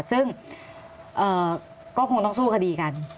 ซึ่งก็คงต้องสู้คดีกัน